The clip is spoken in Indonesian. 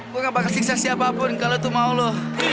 gua ga bakal siksa siapapun kalo itu mau lo